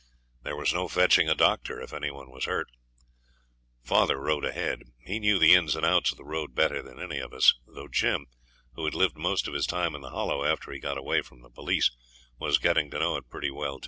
There was no fetching a doctor if any one was hurt. Father rode ahead. He knew the ins and outs of the road better than any of us, though Jim, who had lived most of his time in the Hollow after he got away from the police, was getting to know it pretty well.